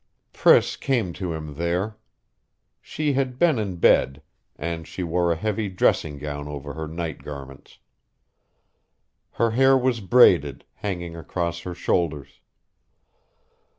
Priss came to him there. She had been in bed; and she wore a heavy dressing gown over her night garments. Her hair was braided, hanging across her shoulders.